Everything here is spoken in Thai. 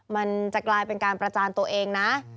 มันจะกลายเป็นการประจานตัวเองนะ